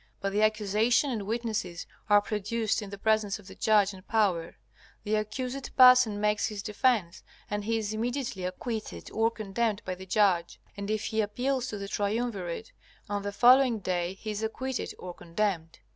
But the accusation and witnesses are produced in the presence of the judge and Power; the accused person makes his defence, and he is immediately acquitted or condemned by the judge; and if he appeals to the triumvirate, on the following day he is acquitted or condemned.